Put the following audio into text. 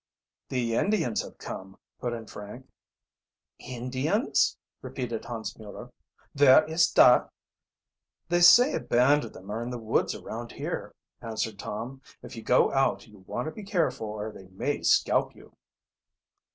"The Indians have come," put in Frank. "Indians?" repeated Hans Mueller. "Vere is da?" "They say a band of them are in the woods around here," answered Tom. "If you go out you want to be careful or they may scalp you."